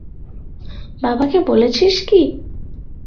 বাবাকে বলেছিস কি?